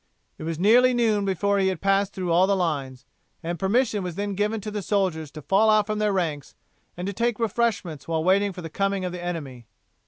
It was nearly noon before he had passed through all the lines, and permission was then given to the soldiers to fall out from their ranks and to take refreshments while waiting for the coming of the enemy.